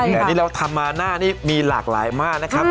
แต่นี่เราทำมาหน้านี้มีหลากหลายมากนะครับ